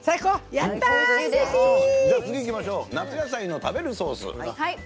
次いきましょう「夏野菜の食べるソース」。